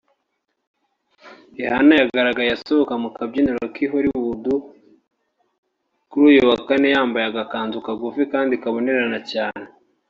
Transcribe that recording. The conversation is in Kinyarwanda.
Rihanna yagaragaye asohoka mu kabyiniro k’i Hollywood kuri uyu wa Kane yambaye agakanzu kagufi kandi kabonerana cyane